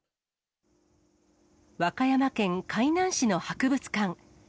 和歌山県海南市の博物館。